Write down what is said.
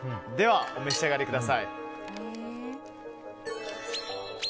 お召し上がりください。